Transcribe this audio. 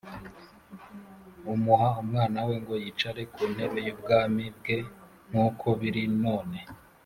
umuha umwana we ngo yicare ku ntebe y’ubwami bwe nk’uko biri none